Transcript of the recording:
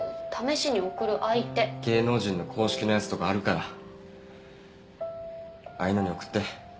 芸能人の公式のやつとかあるからああいうのに送って。